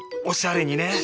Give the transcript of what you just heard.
おしゃれにね！